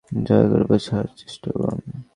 দয়া করে বোঝার চেষ্টা করুন।